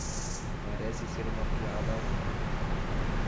Parece ser uma piada agora.